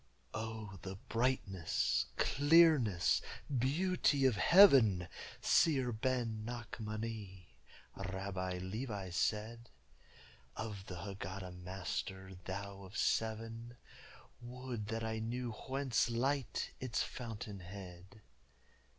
"O the brightness, clearness, beauty of heaven! Seer Ben Nachmani," Rabbi Levi said, "Of the Hagada Master thou of seven, Would that I knew whence Light, its fountainhead?"